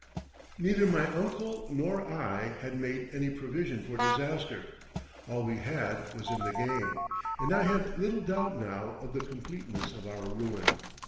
Neither my uncle nor I had made any provision for disaster; all we had was in the game, and I had little doubt now of the completeness of our ruin.